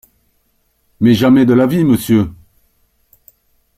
Mais jamais de la vie, monsieur !…